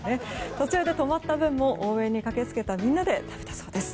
途中で止まった分も応援で駆け付けたみんなで食べたそうです。